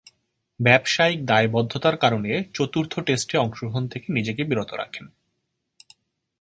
ব্যবসায়িক দায়বদ্ধতার কারণে চতুর্থ টেস্টে অংশগ্রহণ থেকে নিজেকে বিরত রাখেন।